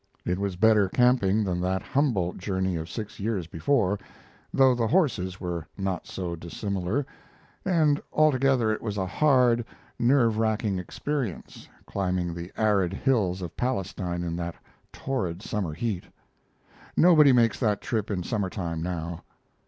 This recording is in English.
It was better camping than that Humboldt journey of six years before, though the horses were not so dissimilar, and altogether it was a hard, nerve racking experience, climbing the arid hills of Palestine in that torrid summer heat. Nobody makes that trip in summer time now.